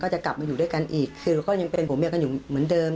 จะกลับมาอยู่ด้วยกันอีกคือเราก็ยังเป็นผัวเมียกันอยู่เหมือนเดิม